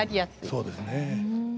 そうですね。